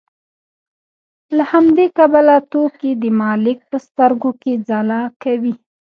له همدې کبله توکي د مالک په سترګو کې ځلا کوي